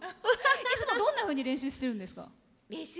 いつもどんなふうに練習してるんですか？